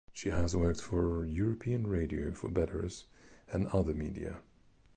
She has worked for European Radio for Belarus and other media.